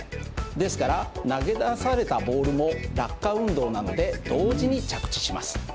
ですから投げ出されたボールも落下運動なので同時に着地します。